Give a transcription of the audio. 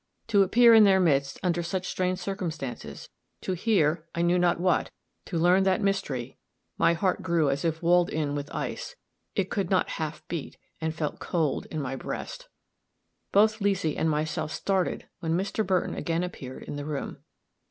to appear in their midst under such strange circumstances to hear, I knew not what to learn that mystery my heart grew as if walled in with ice; it could not half beat, and felt cold in my breast. Both Leesy and myself started when Mr. Burton again appeared in the room.